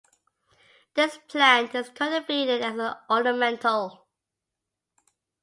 This plant is cultivated as an ornamental.